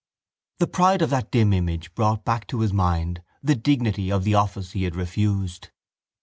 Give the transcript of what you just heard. The pride of that dim image brought back to his mind the dignity of the office he had refused.